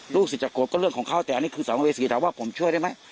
สิทธิ์จะโกรธก็เรื่องของเขาแต่อันนี้คือสังเวษีถามว่าผมช่วยได้ไหม